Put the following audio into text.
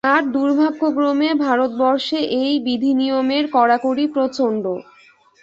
আর দুর্ভাগ্যক্রমে ভারতবর্ষে এই বিধিনিয়মের কড়াকড়ি প্রচণ্ড।